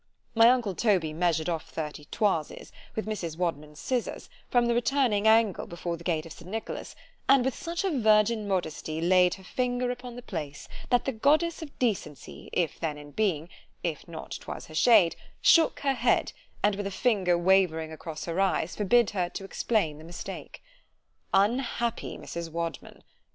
My uncle Toby measured off thirty toises, with Mrs. Wadman's scissars, from the returning angle before the gate of St. Nicolas; and with such a virgin modesty laid her finger upon the place, that the goddess of Decency, if then in being—if not, 'twas her shade—shook her head, and with a finger wavering across her eyes—forbid her to explain the mistake. Unhappy Mrs. _Wadman!